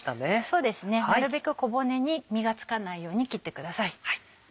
そうですねなるべく小骨に身が付かないように切ってください。